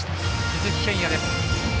鈴木誠也です。